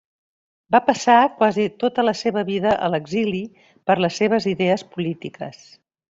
Va passar quasi tota la seva vida a l'exili per les seves idees polítiques.